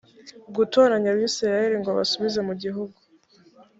gutoranya abisirayeli ngo abasubize mu gihugu